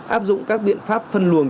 áp dụng các biện pháp phân luồng